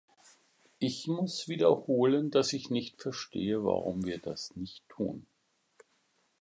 Ich muss wiederholen, dass ich nicht verstehe, warum wir das nicht tun.